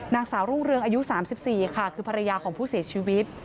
นางสาวรุ่งเรืองอายุ๓๔ค่ะคือภรรยาของผู้เสียชีวิต